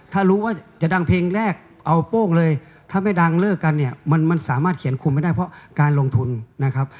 ถ้ารู้ว่าจะดังเพลงแรกเอาโป้งเลยถ้าไม่ดังเลิกกันเนี่ยมันสามารถเขียนคุมไม่ได้เพราะการลงทุนนะครับ